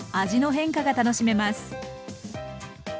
味の変化が楽しめます。